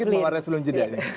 sedikit mengarahkan sebelum jadinya